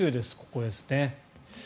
ここですね。